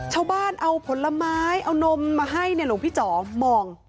ชาวบ้านเอาผลไม้เอานมมาให้เนี่ยหลวงพี่จ๋อมอง